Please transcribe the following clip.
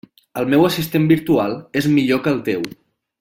El meu assistent virtual és millor que el teu.